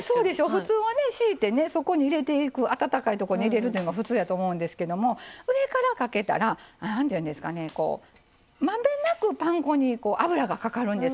普通はしいてそこに入れていく温かいところに入れるというのが普通やと思うんですけど上からかけたらまんべんなくパン粉に油がかかるんです。